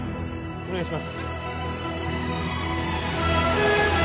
お願いします